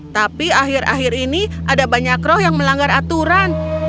tapi akhir akhir ini ada banyak roh yang melanggar aturan